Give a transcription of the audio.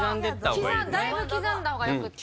だいぶ刻んだ方がよくって。